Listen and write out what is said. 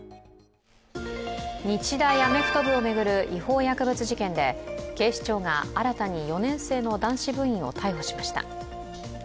日大アメフト部を巡る違法薬物事件で、警視庁が新たに４年生の男子部員を逮捕しました。